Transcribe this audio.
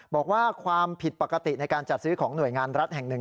บอกว่าความผิดปกติในการจัดซื้อของหน่วยงานรัฐแห่งหนึ่ง